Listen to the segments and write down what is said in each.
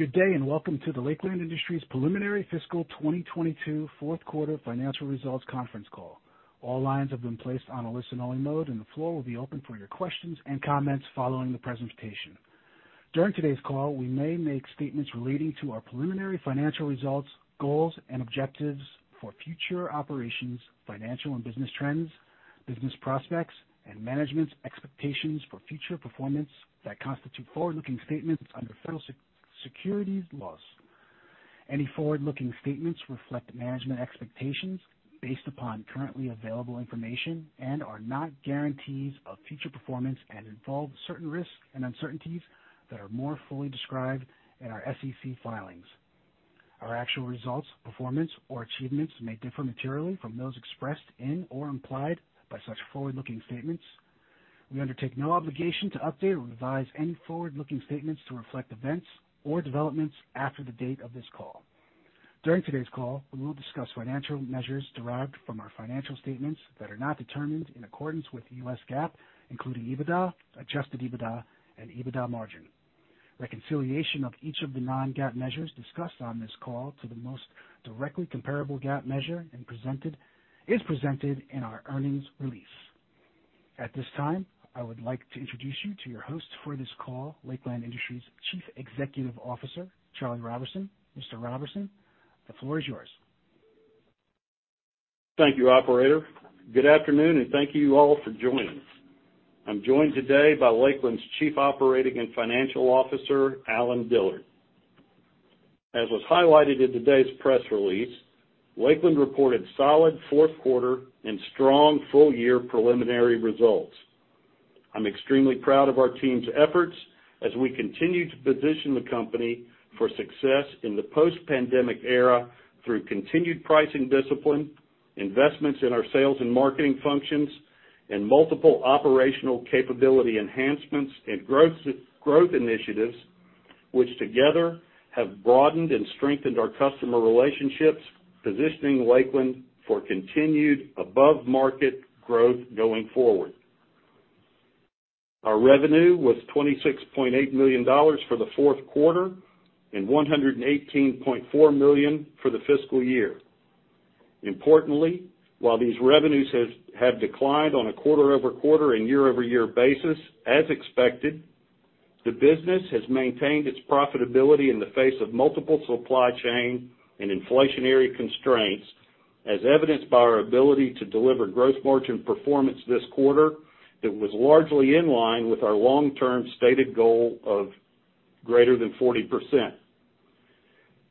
Good day, and welcome to the Lakeland Industries preliminary fiscal 2022 fourth quarter financial results conference call. All lines have been placed on a listen-only mode, and the floor will be open for your questions and comments following the presentation. During today's call, we may make statements relating to our preliminary financial results, goals, and objectives for future operations, financial and business trends, business prospects, and management's expectations for future performance that constitute forward-looking statements under federal securities laws. Any forward-looking statements reflect management expectations based upon currently available information and are not guarantees of future performance and involve certain risks and uncertainties that are more fully described in our SEC filings. Our actual results, performance, or achievements may differ materially from those expressed in or implied by such forward-looking statements. We undertake no obligation to update or revise any forward-looking statements to reflect events or developments after the date of this call. During today's call, we will discuss financial measures derived from our financial statements that are not determined in accordance with U.S. GAAP, including EBITDA, adjusted EBITDA, and EBITDA margin. Reconciliation of each of the non-GAAP measures discussed on this call to the most directly comparable GAAP measure is presented in our earnings release. At this time, I would like to introduce you to your host for this call, Lakeland Industries Chief Executive Officer, Charles Roberson. Mr. Roberson, the floor is yours. Thank you, operator. Good afternoon, and thank you all for joining us. I'm joined today by Lakeland's Chief Operating and Financial Officer, Allen Dillard. As was highlighted in today's press release, Lakeland reported solid fourth quarter and strong full-year preliminary results. I'm extremely proud of our team's efforts as we continue to position the company for success in the post-pandemic era through continued pricing discipline, investments in our sales and marketing functions, and multiple operational capability enhancements and growth initiatives, which together have broadened and strengthened our customer relationships, positioning Lakeland for continued above-market growth going forward. Our revenue was $26.8 million for the fourth quarter and $118.4 million for the fiscal year. Importantly, while these revenues have declined on a quarter-over-quarter and year-over-year basis as expected, the business has maintained its profitability in the face of multiple supply chain and inflationary constraints, as evidenced by our ability to deliver gross margin performance this quarter that was largely in line with our long-term stated goal of greater than 40%.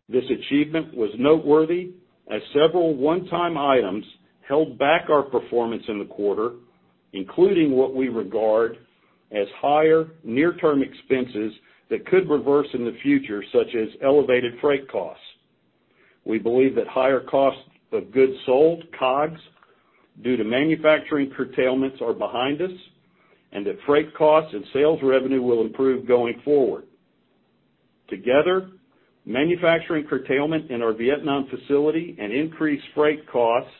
This achievement was noteworthy as several one-time items held back our performance in the quarter, including what we regard as higher near-term expenses that could reverse in the future, such as elevated freight costs. We believe that higher cost of goods sold, COGS, due to manufacturing curtailments are behind us and that freight costs and sales revenue will improve going forward. Together, manufacturing curtailment in our Vietnam facility and increased freight costs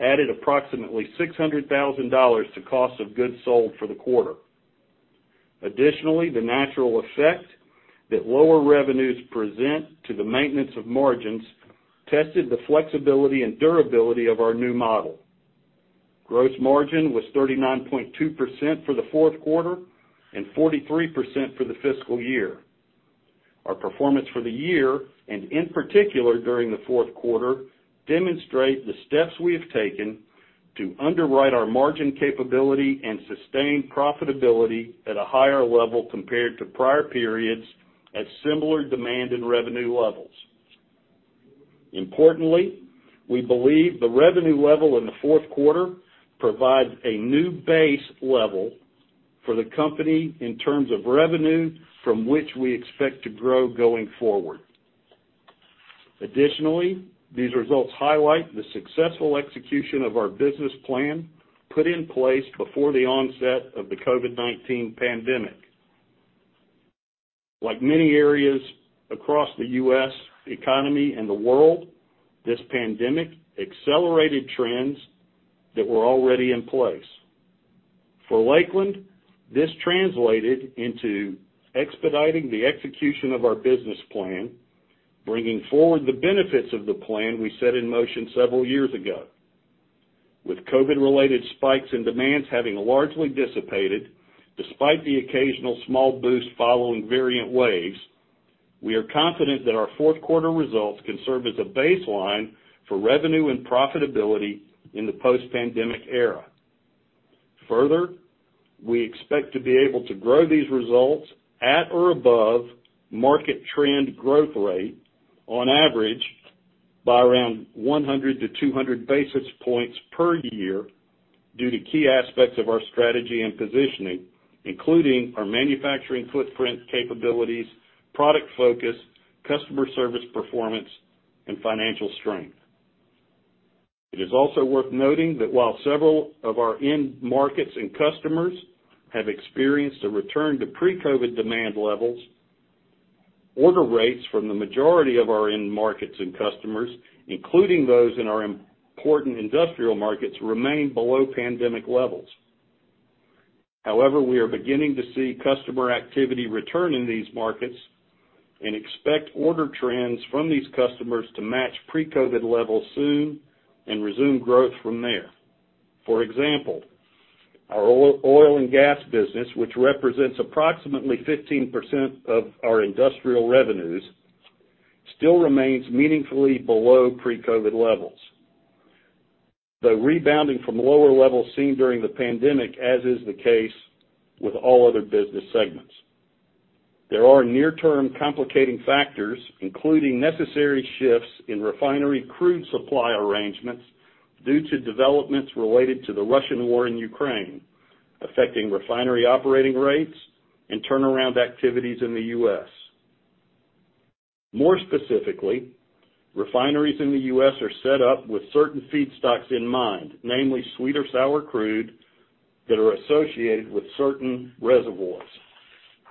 added approximately $600,000 to cost of goods sold for the quarter. Additionally, the natural effect that lower revenues present to the maintenance of margins tested the flexibility and durability of our new model. Gross margin was 39.2% for the fourth quarter and 43% for the fiscal year. Our performance for the year, and in particular during the fourth quarter, demonstrate the steps we have taken to underwrite our margin capability and sustain profitability at a higher level compared to prior periods at similar demand and revenue levels. Importantly, we believe the revenue level in the fourth quarter provides a new base level for the company in terms of revenue from which we expect to grow going forward. Additionally, these results highlight the successful execution of our business plan put in place before the onset of the COVID-19 pandemic. Like many areas across the U.S. economy and the world, this pandemic accelerated trends that were already in place. For Lakeland, this translated into expediting the execution of our business plan, bringing forward the benefits of the plan we set in motion several years ago. With COVID-related spikes in demands having largely dissipated, despite the occasional small boost following variant waves, we are confident that our fourth quarter results can serve as a baseline for revenue and profitability in the post-pandemic era. Further, we expect to be able to grow these results at or above market trend growth rate on average by around 100-200 basis points per year due to key aspects of our strategy and positioning, including our manufacturing footprint capabilities, product focus, customer service performance, and financial strength. It is also worth noting that while several of our end markets and customers have experienced a return to pre-COVID demand levels, order rates from the majority of our end markets and customers, including those in our important industrial markets, remain below pandemic levels. However, we are beginning to see customer activity return in these markets and expect order trends from these customers to match pre-COVID levels soon and resume growth from there. For example, our oil and gas business, which represents approximately 15% of our industrial revenues, still remains meaningfully below pre-COVID levels, though rebounding from lower levels seen during the pandemic, as is the case with all other business segments. There are near-term complicating factors, including necessary shifts in refinery crude supply arrangements due to developments related to the Russian war in Ukraine, affecting refinery operating rates and turnaround activities in the U.S. More specifically, refineries in the U.S. are set up with certain feedstocks in mind, namely sweet or sour crude that are associated with certain reservoirs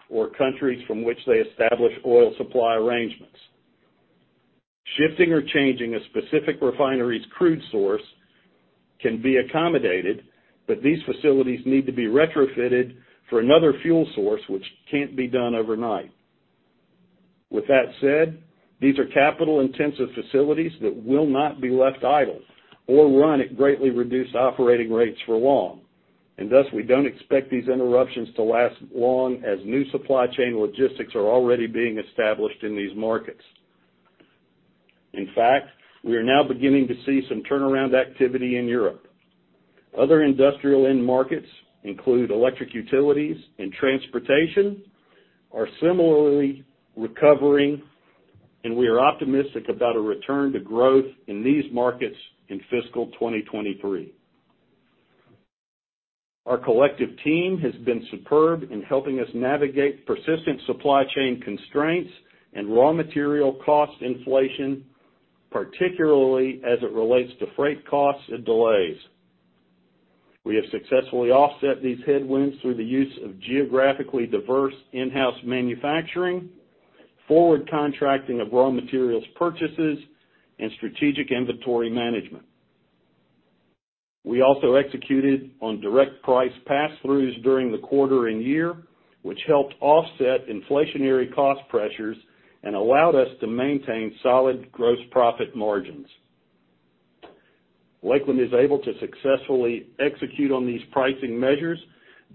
or countries from which they establish oil supply arrangements. Shifting or changing a specific refinery's crude source can be accommodated, but these facilities need to be retrofitted for another fuel source which can't be done overnight. With that said, these are capital-intensive facilities that will not be left idle or run at greatly reduced operating rates for long. Thus, we don't expect these interruptions to last long as new supply chain logistics are already being established in these markets. In fact, we are now beginning to see some turnaround activity in Europe. Other industrial end markets include electric utilities and transportation, are similarly recovering, and we are optimistic about a return to growth in these markets in fiscal 2023. Our collective team has been superb in helping us navigate persistent supply chain constraints and raw material cost inflation, particularly as it relates to freight costs and delays. We have successfully offset these headwinds through the use of geographically diverse in-house manufacturing, forward contracting of raw materials purchases, and strategic inventory management. We also executed on direct price passthroughs during the quarter and year, which helped offset inflationary cost pressures and allowed us to maintain solid gross profit margins. Lakeland is able to successfully execute on these pricing measures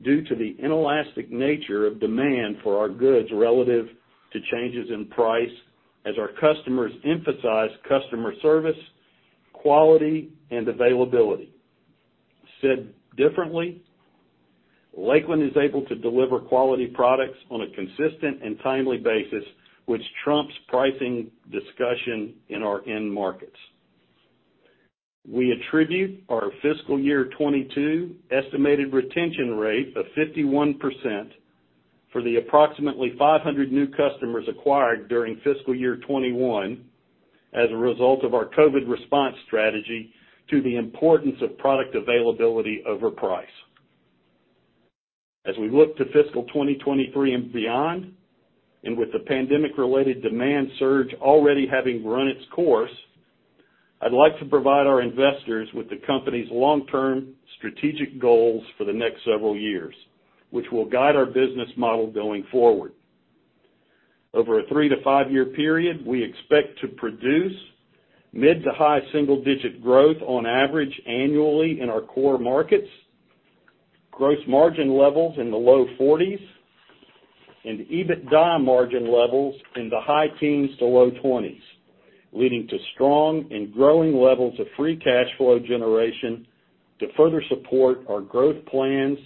due to the inelastic nature of demand for our goods relative to changes in price as our customers emphasize customer service, quality, and availability. Said differently, Lakeland is able to deliver quality products on a consistent and timely basis, which trumps pricing discussion in our end markets. We attribute our fiscal year 2022 estimated retention rate of 51% for the approximately 500 new customers acquired during fiscal year 2021 as a result of our COVID response strategy to the importance of product availability over price. As we look to fiscal 2023 and beyond, and with the pandemic-related demand surge already having run its course, I'd like to provide our investors with the company's long-term strategic goals for the next several years, which will guide our business model going forward. Over a 3- to 5-year period, we expect to produce mid- to high single-digit growth on average annually in our core markets, gross margin levels in the low 40%, and EBITDA margin levels in the high teens to low 20%, leading to strong and growing levels of free cash flow generation to further support our growth plans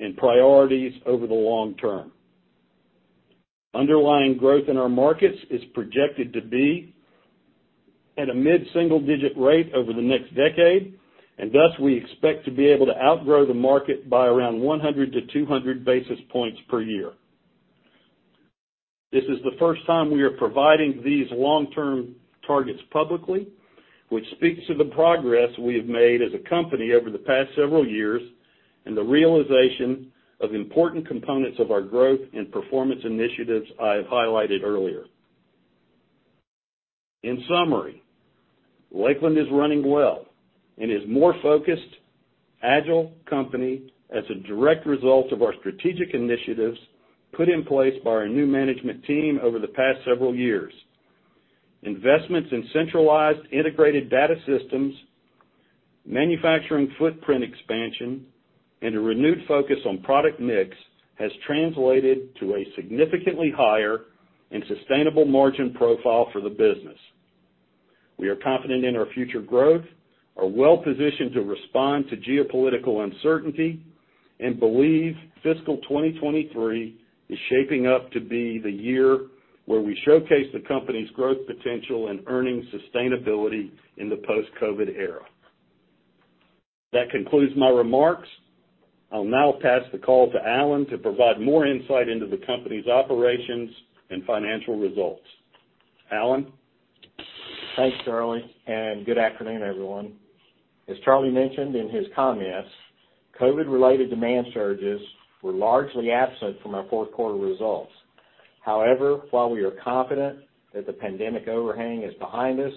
and priorities over the long term. Underlying growth in our markets is projected to be at a mid-single-digit rate over the next decade, and thus we expect to be able to outgrow the market by around 100-200 basis points per year. This is the first time we are providing these long-term targets publicly, which speaks to the progress we have made as a company over the past several years, and the realization of important components of our growth and performance initiatives I have highlighted earlier. In summary, Lakeland is running well and is more focused, agile company as a direct result of our strategic initiatives put in place by our new management team over the past several years. Investments in centralized integrated data systems, manufacturing footprint expansion, and a renewed focus on product mix has translated to a significantly higher and sustainable margin profile for the business. We are confident in our future growth, are well-positioned to respond to geopolitical uncertainty, and believe fiscal 2023 is shaping up to be the year where we showcase the company's growth potential and earnings sustainability in the post-COVID era. That concludes my remarks. I'll now pass the call to Allen to provide more insight into the company's operations and financial results. Allen? Thanks, Charlie, and good afternoon, everyone. As Charlie mentioned in his comments, COVID-related demand surges were largely absent from our fourth quarter results. However, while we are confident that the pandemic overhang is behind us,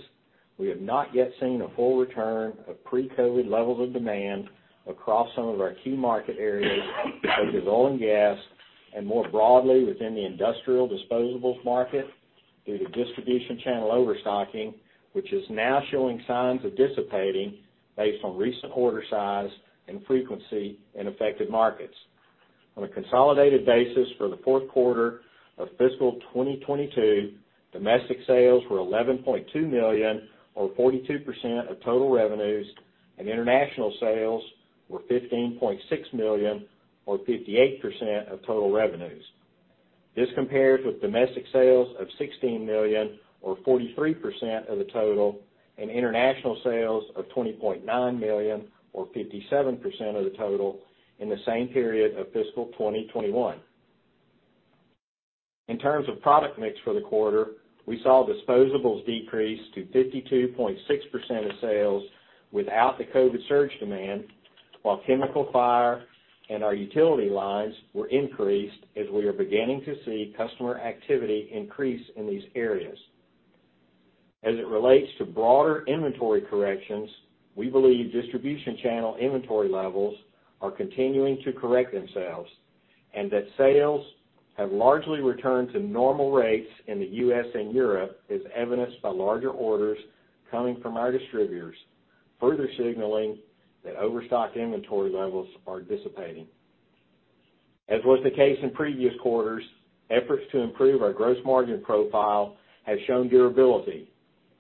we have not yet seen a full return of pre-COVID levels of demand across some of our key market areas such as oil and gas, and more broadly within the industrial disposables market due to distribution channel overstocking, which is now showing signs of dissipating based on recent order size and frequency in affected markets. On a consolidated basis for the fourth quarter of fiscal 2022, domestic sales were $11.2 million, or 42% of total revenues, and international sales were $15.6 million, or 58% of total revenues. This compares with domestic sales of $16 million, or 43% of the total, and international sales of $20.9 million, or 57% of the total, in the same period of fiscal 2021. In terms of product mix for the quarter, we saw disposables decrease to 52.6% of sales without the COVID surge demand, while chemical, fire, and our utility lines were increased as we are beginning to see customer activity increase in these areas. As it relates to broader inventory corrections, we believe distribution channel inventory levels are continuing to correct themselves, and that sales have largely returned to normal rates in the U.S. and Europe, as evidenced by larger orders coming from our distributors, further signaling that overstock inventory levels are dissipating. As was the case in previous quarters, efforts to improve our gross margin profile have shown durability,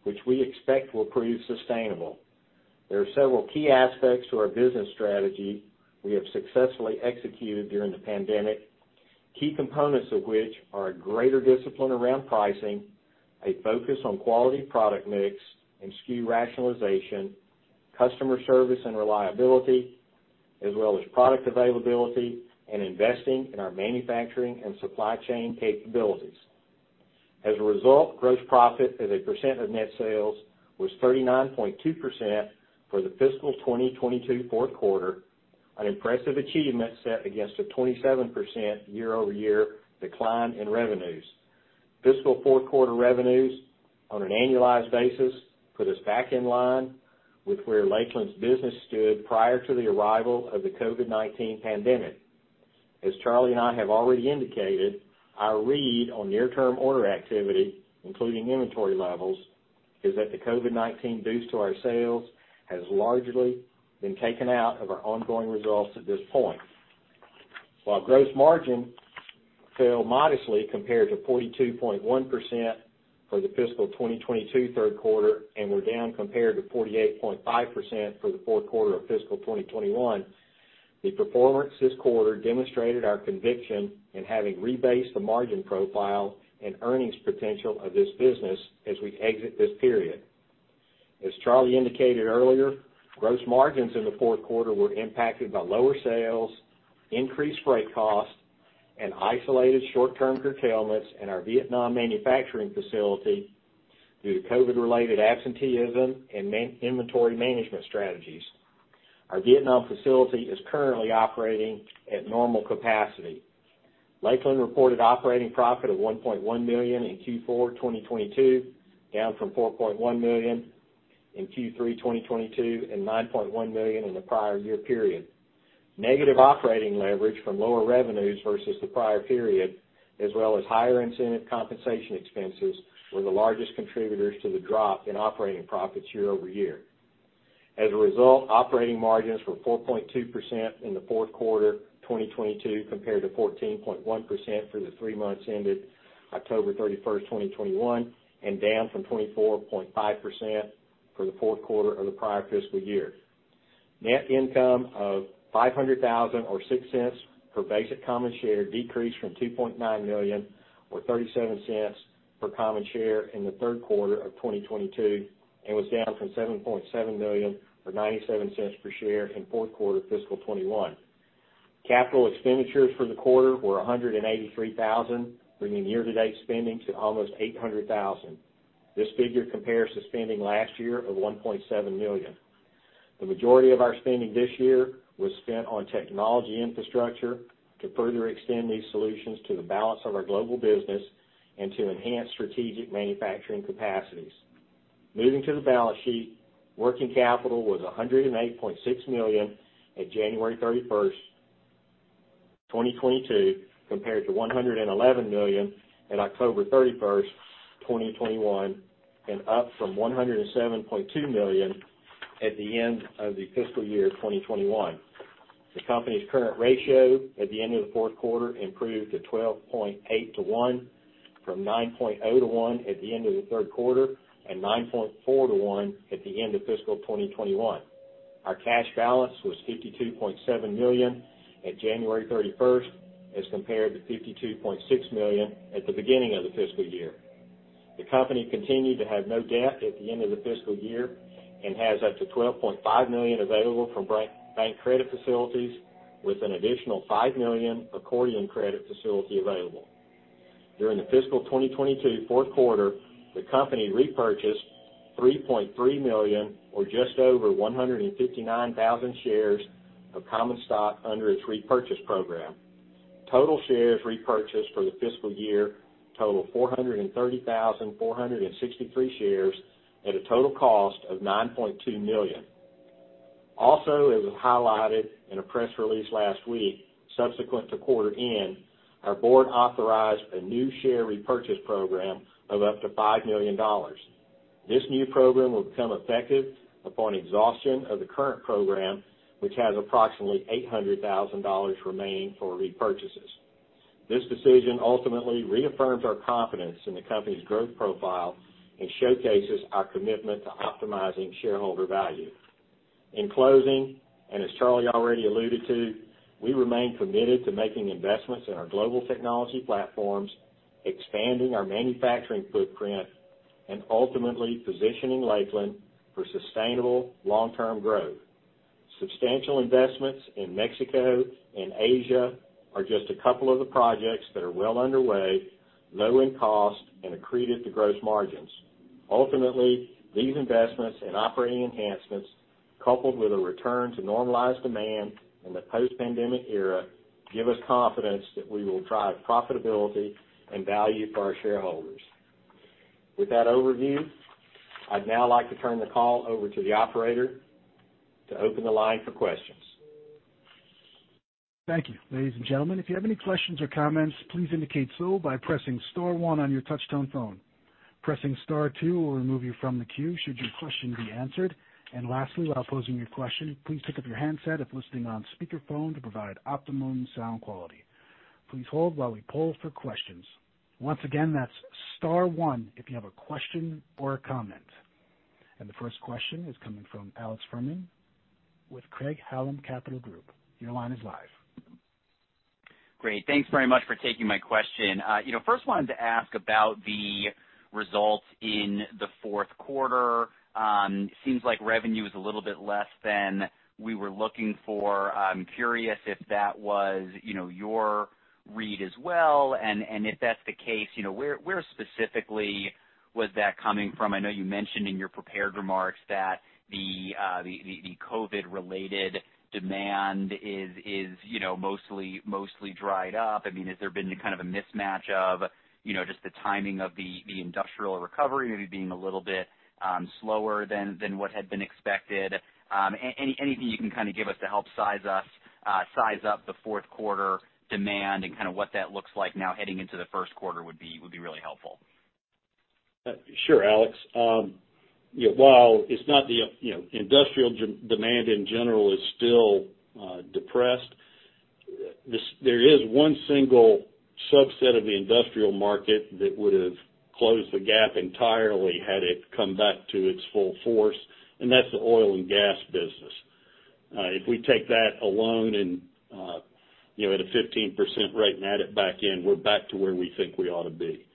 which we expect will prove sustainable. There are several key aspects to our business strategy we have successfully executed during the pandemic, key components of which are a greater discipline around pricing, a focus on quality product mix and SKU rationalization, customer service and reliability, as well as product availability and investing in our manufacturing and supply chain capabilities. As a result, gross profit as a percent of net sales was 39.2% for the fiscal 2022 fourth quarter, an impressive achievement set against a 27% year-over-year decline in revenues. Fiscal fourth quarter revenues on an annualized basis put us back in line with where Lakeland's business stood prior to the arrival of the COVID-19 pandemic. As Charlie and I have already indicated, our read on near-term order activity, including inventory levels, is that the COVID-19 boost to our sales has largely been taken out of our ongoing results at this point. While gross margin fell modestly compared to 42.1% for the fiscal 2022 third quarter and were down compared to 48.5% for the fourth quarter of fiscal 2021, the performance this quarter demonstrated our conviction in having rebased the margin profile and earnings potential of this business as we exit this period. As Charles indicated earlier, gross margins in the fourth quarter were impacted by lower sales, increased freight costs, and isolated short-term curtailments in our Vietnam manufacturing facility due to COVID-related absenteeism and manpower and inventory management strategies. Our Vietnam facility is currently operating at normal capacity. Lakeland reported operating profit of $1.1 million in Q4 2022, down from $4.1 million in Q3 2022 and $9.1 million in the prior year period. Negative operating leverage from lower revenues versus the prior period, as well as higher incentive compensation expenses, were the largest contributors to the drop in operating profits year-over-year. As a result, operating margins were 4.2% in the fourth quarter 2022 compared to 14.1% for the three months ended October 31, 2021, and down from 24.5% for the fourth quarter of the prior fiscal year. Net income of $500,000 or $0.06 per basic common share decreased from $2.9 million or $0.37 per common share in the third quarter of 2022, and was down from $7.7 million or $0.97 per share in fourth quarter fiscal 2021. Capital expenditures for the quarter were $183,000, bringing year-to-date spending to almost $800,000. This figure compares to spending last year of $1.7 million. The majority of our spending this year was spent on technology infrastructure to further extend these solutions to the balance of our global business and to enhance strategic manufacturing capacities. Moving to the balance sheet, working capital was $108.6 million at January 31, 2022, compared to $111 million at October 31, 2021, and up from $107.2 million at the end of the fiscal year 2021. The company's current ratio at the end of the fourth quarter improved to 12.8 to 1 from 9.0 to 1 at the end of the third quarter, and 9.4 to 1 at the end of fiscal 2021. Our cash balance was $52.7 million at January 31, as compared to $52.6 million at the beginning of the fiscal year. The company continued to have no debt at the end of the fiscal year and has up to $12.5 million available from bank credit facilities with an additional $5 million accordion credit facility available. During the fiscal 2022 fourth quarter, the company repurchased $3.3 million or just over 159,000 shares of common stock under its repurchase program. Total shares repurchased for the fiscal year total 430,463 shares at a total cost of $9.2 million. Also, as was highlighted in a press release last week, subsequent to quarter end, our board authorized a new share repurchase program of up to $5 million. This new program will become effective upon exhaustion of the current program, which has approximately $800,000 remaining for repurchases. This decision ultimately reaffirms our confidence in the company's growth profile and showcases our commitment to optimizing shareholder value. In closing, and as Charlie already alluded to, we remain committed to making investments in our global technology platforms, expanding our manufacturing footprint, and ultimately positioning Lakeland for sustainable long-term growth. Substantial investments in Mexico and Asia are just a couple of the projects that are well underway, low in cost, and accretive to gross margins. Ultimately, these investments and operating enhancements, coupled with a return to normalized demand in the post-pandemic era, give us confidence that we will drive profitability and value for our shareholders. With that overview, I'd now like to turn the call over to the operator to open the line for questions. Thank you. Ladies and gentlemen, if you have any questions or comments, please indicate so by pressing star one on your touch-tone phone. Pressing star two will remove you from the queue should your question be answered. And lastly, while posing your question, please take up your handset if listening on speakerphone to provide optimum sound quality. Please hold while we poll for questions. Once again, that's star one if you have a question or a comment. The first question is coming from Alex Fuhrman with Craig-Hallum Capital Group. Your line is live. Great. Thanks very much for taking my question. You know, first wanted to ask about the results in the fourth quarter. Seems like revenue is a little bit less than we were looking for. I'm curious if that was, you know, your read as well, and if that's the case, you know, where specifically was that coming from? I know you mentioned in your prepared remarks that the COVID-related demand is, you know, mostly dried up. I mean, has there been kind of a mismatch of, you know, just the timing of the industrial recovery maybe being a little bit slower than what had been expected? Anything you can kind of give us to help size up the fourth quarter demand and kinda what that looks like now heading into the first quarter would be really helpful? Sure, Alex. You know, industrial demand in general is still depressed. There is one single subset of the industrial market that would've closed the gap entirely had it come back to its full force, and that's the oil and gas business. If we take that alone and, you know, at a 15% rate and add it back in, we're back to where we think we ought to be.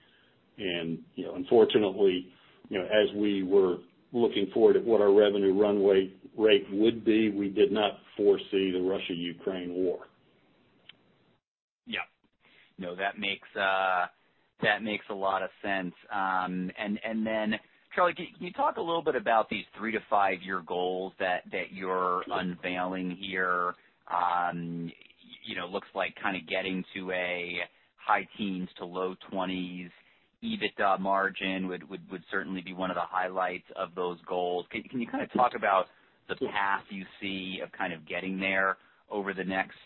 You know, unfortunately, you know, as we were looking forward at what our revenue run rate would be, we did not foresee the Russia-Ukraine war. Yeah. No, that makes a lot of sense. Charlie, can you talk a little bit about these 3-5-year goals that you're unveiling here? You know, looks like kinda getting to a high teens to low twenties EBITDA margin would certainly be one of the highlights of those goals. Can you kind of talk about the path you see of kind of getting there over the next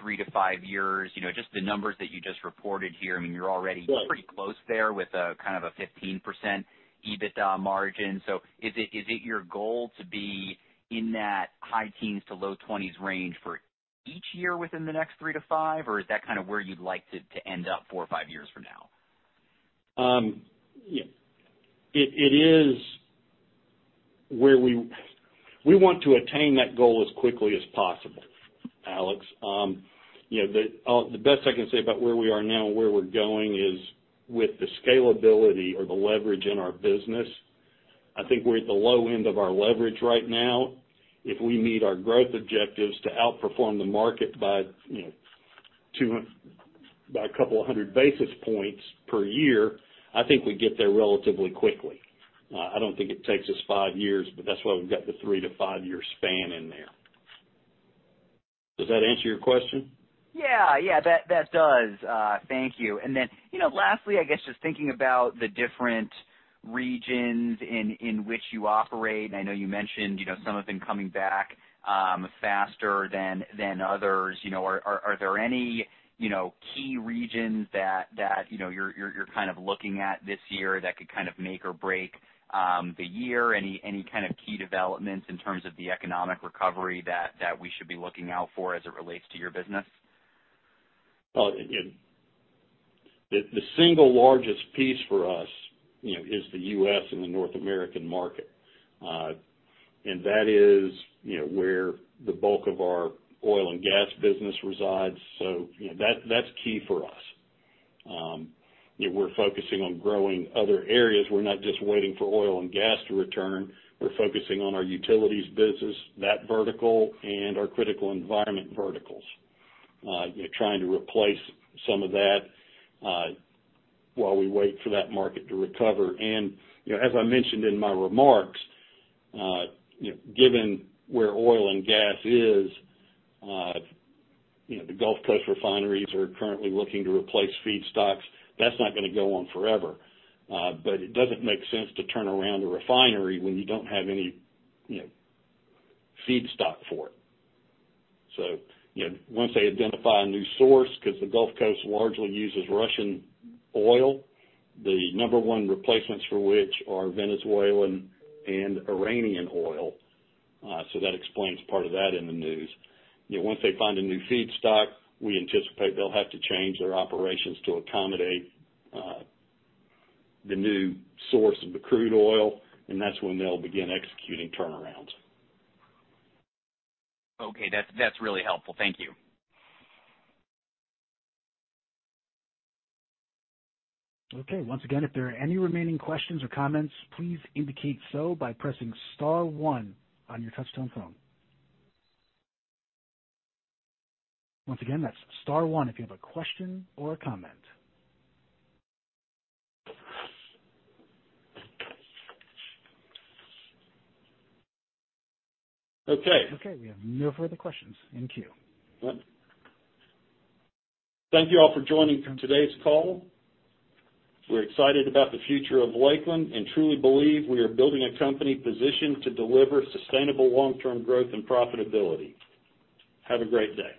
3-5 years? You know, just the numbers that you just reported here, I mean, you're already pretty close there with a kind of a 15% EBITDA margin. Is it your goal to be in that high teens to low twenties range for each year within the next 3-5, or is that kind of where you'd like to end up 4 or 5 years from now? We want to attain that goal as quickly as possible, Alex. You know, the best I can say about where we are now and where we're going is with the scalability or the leverage in our business. I think we're at the low end of our leverage right now. If we meet our growth objectives to outperform the market by a couple hundred basis points per year, I think we'd get there relatively quickly. I don't think it takes us 5 years, but that's why we've got the 3-5-year span in there. Does that answer your question? Yeah. Yeah, that does. Thank you. You know, lastly, I guess just thinking about the different regions in which you operate, and I know you mentioned, you know, some of them coming back faster than others, you know. Are there any, you know, key regions that, you know, you're kind of looking at this year that could kind of make or break the year? Any kind of key developments in terms of the economic recovery that we should be looking out for as it relates to your business? Well, again, the single largest piece for us, you know, is the U.S. and the North American market. That is, you know, where the bulk of our oil and gas business resides. You know, that's key for us. You know, we're focusing on growing other areas. We're not just waiting for oil and gas to return. We're focusing on our utilities business, that vertical, and our critical environment verticals. Trying to replace some of that while we wait for that market to recover. You know, as I mentioned in my remarks, you know, given where oil and gas is, you know, the Gulf Coast refineries are currently looking to replace feedstocks. That's not gonna go on forever, but it doesn't make sense to turn around a refinery when you don't have any, you know, feedstock for it. You know, once they identify a new source, 'cause the Gulf Coast largely uses Russian oil, the number one replacements for which are Venezuelan and Iranian oil. That explains part of that in the news. You know, once they find a new feedstock, we anticipate they'll have to change their operations to accommodate the new source of the crude oil, and that's when they'll begin executing turnarounds. Okay. That's really helpful. Thank you. Okay. Once again, if there are any remaining questions or comments, please indicate so by pressing star one on your touch-tone phone. Once again, that's star one if you have a question or a comment. Okay. Okay, we have no further questions in queue. Thank you all for joining today's call. We're excited about the future of Lakeland and truly believe we are building a company positioned to deliver sustainable long-term growth and profitability. Have a great day.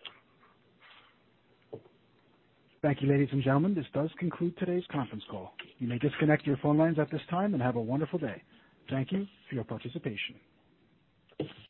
Thank you, ladies and gentlemen. This does conclude today's conference call. You may disconnect your phone lines at this time and have a wonderful day. Thank you for your participation.